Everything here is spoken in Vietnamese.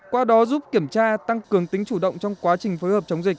qua đó giúp kiểm tra tăng cường tính chủ động trong quá trình phối hợp chống dịch